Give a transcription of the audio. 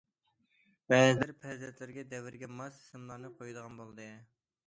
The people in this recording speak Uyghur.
بەزىلەر پەرزەنتلىرىگە دەۋرگە ماس ئىسىملارنى قويىدىغان بولدى.